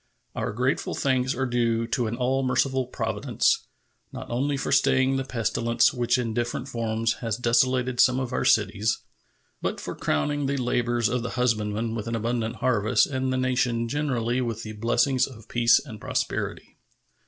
Our grateful thanks are due to an all merciful Providence, not only for staying the pestilence which in different forms has desolated some of our cities, but for crowning the labors of the husbandman with an abundant harvest and the nation generally with the blessings of peace and prosperity.